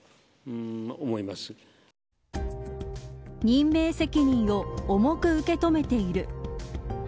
任命責任を重く受け止めている。